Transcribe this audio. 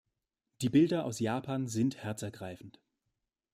Die Bilder aus Japan sind herzergreifend.